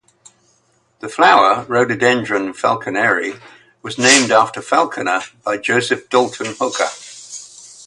The flower "Rhododendron falconeri" was named after Falconer by Joseph Dalton Hooker.